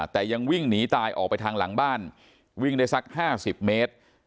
แต่ยังวิ่งหนีตายออกไปทางหลังบ้านวิ่งได้สัก๕๐เมตร